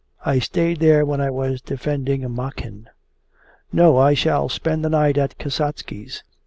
I stayed there when I was defending Makhin.' 'No, I shall spend the night at Kasatsky's!